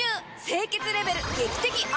清潔レベル劇的アップ！